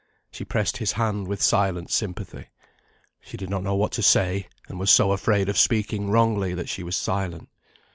She pressed his hand with silent sympathy. She did not know what to say, and was so afraid of speaking wrongly, that she was silent.